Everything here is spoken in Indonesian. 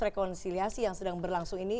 rekonsiliasi yang sedang berlangsung ini